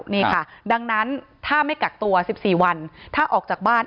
นี่ค่ะดังนั้นถ้าไม่กักตัว๑๔วันถ้าออกจากบ้าน